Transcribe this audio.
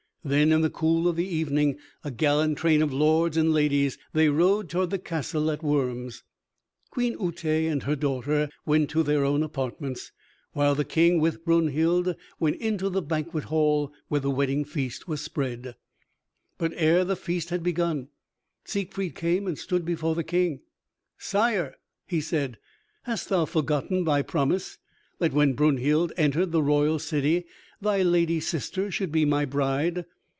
Then, in the cool of the evening, a gallant train of lords and ladies, they rode toward the castle at Worms. Queen Uté and her daughter went to their own apartments, while the King with Brunhild went into the banquet hall where the wedding feast was spread. But ere the feast had begun, Siegfried came and stood before the King. "Sire," he said, "hast thou forgotten thy promise, that when Brunhild entered the royal city thy lady sister should be my bride?"